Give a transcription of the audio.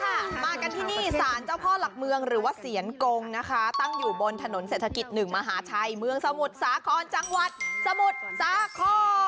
มากันที่นี่สารเจ้าพ่อหลักเมืองหรือว่าเสียนกงนะคะตั้งอยู่บนถนนเศรษฐกิจหนึ่งมหาชัยเมืองสมุทรสาครจังหวัดสมุทรสาคร